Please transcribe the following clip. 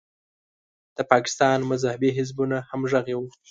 د پاکستان مذهبي حزبونه همغږي وو.